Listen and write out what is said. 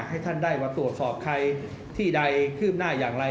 ให้ท่านได้มาตรวจสอบใครที่ใดคืบหน้าอย่างไร